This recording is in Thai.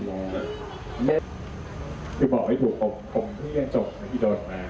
คือบอกให้ถูกผมพี่ยังจบวีคีโดรสมา